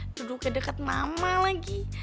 duduknya deket mama lagi